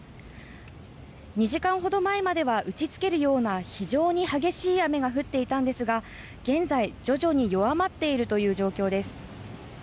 ２時間ほど前までは打ち付けるような非常に激しい雨が降っていたんですが現在、徐々に弱まっているという状況です。